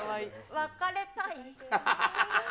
別れたい？